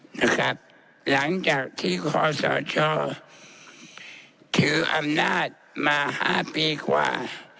หลังจากที่ขอสชถืออำนาจมา๕ปีกว่า